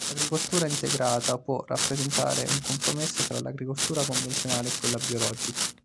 L'agricoltura integrata può rappresentare un compromesso tra l'agricoltura convenzionale e quella biologica.